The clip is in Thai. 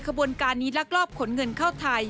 ขบวนการนี้ลักลอบขนเงินเข้าไทย